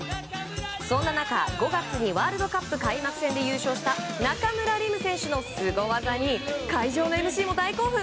そんな中、５月にワールドカップ開幕戦で優勝した中村輪夢選手のスゴ技に会場のＭＣも大興奮。